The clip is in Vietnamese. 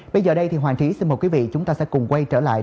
bây giờ đây thì hoàn chỉ xin mời quý vị chúng ta sẽ cùng quay trở lại